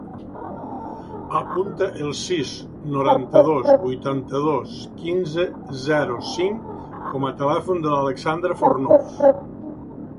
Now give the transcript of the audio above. Apunta el sis, noranta-dos, vuitanta-dos, quinze, zero, cinc com a telèfon de l'Alexandra Fornos.